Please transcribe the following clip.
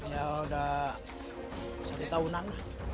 ya sudah satu tahunan